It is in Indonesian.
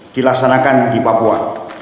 dilaksanakan di papua